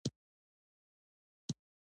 راځه چې